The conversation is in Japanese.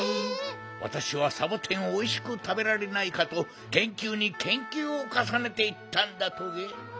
わたしはサボテンをおいしくたべられないかとけんきゅうにけんきゅうをかさねていったんだトゲ。